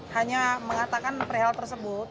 hanya mengatakan hal hal tersebut